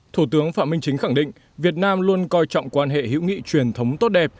thủ tướng phạm minh chính khẳng định việt nam luôn coi trọng quan hệ hữu nghị truyền thống tốt đẹp